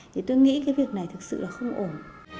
thì tôi nghĩ cái việc này thực sự là không ổn